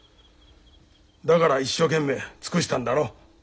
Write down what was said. だから一生懸命尽くしたんだろう？